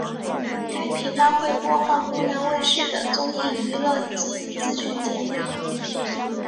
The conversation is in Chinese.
该频道会播放湖南卫视的综艺娱乐及资讯节目。